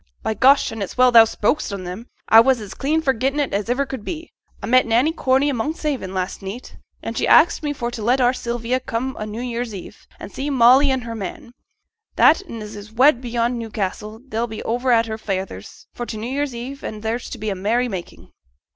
'By gosh, an' it's well thou'st spoke on 'em; a was as clean forgettin' it as iver could be. A met Nanny Corney i' Monkshaven last neet, and she axed me for t' let our Sylvia come o' New Year's Eve, an' see Molly an' her man, that 'n as is wed beyond Newcassel, they'll be over at her feyther's, for t' New Year, an' there's to be a merry making.'